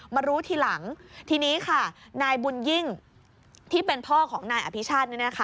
มารู้ทีหลังทีนี้ค่ะนายบุญยิ่งที่เป็นพ่อของนายอภิชาติ